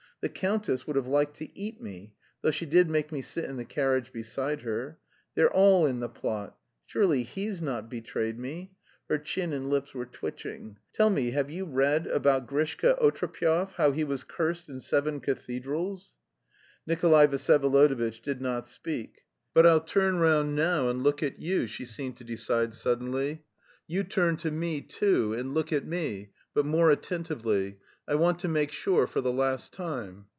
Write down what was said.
The countess would have liked to eat me, though she did make me sit in the carriage beside her. They're all in the plot. Surely he's not betrayed me?" (Her chin and lips were twitching.) "Tell me, have you read about Grishka Otrepyev, how he was cursed in seven cathedrals?" Nikolay Vsyevolodovitch did not speak. "But I'll turn round now and look at you." She seemed to decide suddenly. "You turn to me, too, and look at me, but more attentively. I want to make sure for the last time."